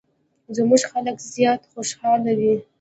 زموږ خلک زیات خوشحال وي.